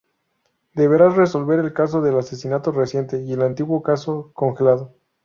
Deberás resolver el caso de asesinato reciente y el antiguo caso congelado.